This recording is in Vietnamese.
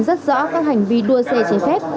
rất rõ các hành vi đua xe chế phép